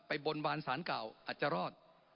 บนบานสารเก่าอาจจะรอด